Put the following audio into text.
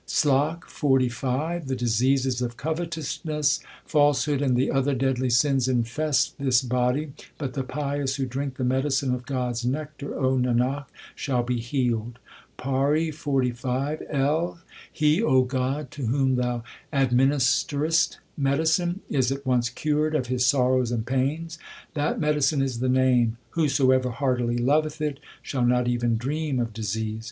SLOK XLV The diseases of covetousness, falsehood, and the other deadly sins infest this body ; But the pious who drink the medicine of God s nectar, O Nanak, shall be healed. PAURI XLV L. He, God, to whom Thou administerest medicine, Is at once cured of his sorrows and pains. That medicine is the Name ; whosoever heartily loveth it Shall not even dream of disease.